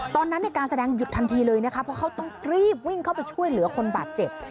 ตอนนั้นในการแสดงหยุดทันทีเลยนะคะเพราะเขาต้องรีบวิ่งเข้าไปช่วยเหลือคนบาดเจ็บ